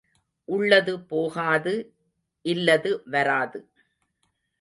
உள்ளது போகாது இல்லது வராது.